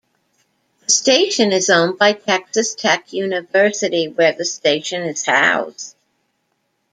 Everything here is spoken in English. The station is owned by Texas Tech University, where the station is housed.